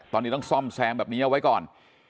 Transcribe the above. ตอนนี้ต้องซ่อมแซมแบบนี้เอาไว้ก่อน